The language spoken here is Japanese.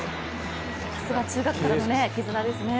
さすが中学からの絆ですね。